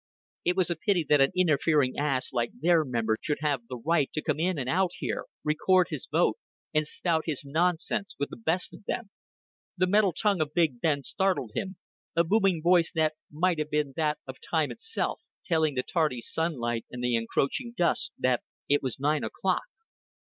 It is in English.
It was a pity that an interfering ass like their member should have the right to come in and out here, record his vote, and spout his nonsense with the best of them. The metal tongue of Big Ben startled him, a booming voice that might have been that of Time itself, telling the tardy sunlight and the encroaching dusk that it was nine o'clock.